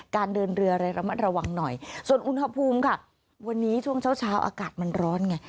การเดินเรืออะไรระมัดระวังหน่อยส่วนอุณหภูมิค่ะวันนี้ช่วงเช้าเช้าอากาศมันร้อนไง